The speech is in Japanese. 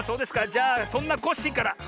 じゃあそんなコッシーから。